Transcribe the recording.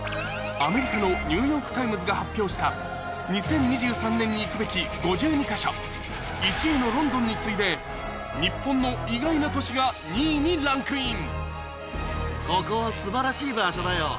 アメリカの『ニューヨーク・タイムズ』が発表した１位のロンドンに次いで日本の意外な都市が２位にランクイン